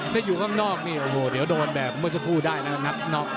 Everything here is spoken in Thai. ถ้าอยู่ข้างนอกนี่โอ้โหเดี๋ยวโดนแบบเมื่อสักครู่ได้นะครับนับน็อก